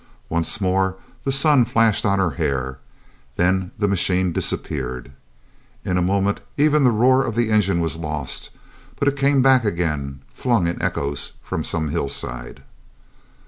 Once more the sun flashed on her hair; then the machine disappeared. In a moment even the roar of the engine was lost, but it came back again, flung in echoes from some hillside.